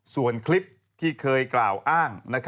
ส่วนคลิปที่เคยกล่าวอ้าง